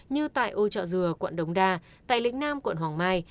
như tại âu trọ dừa quận đống đa tại lĩnh nam quận hoàng mai